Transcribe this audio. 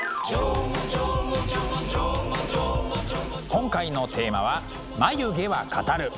今回のテーマは「眉毛は語る」。